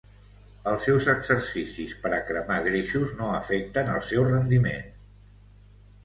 Els seus exercicis per a cremar greixos no afecten el seu rendiment.